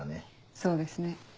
そうですね。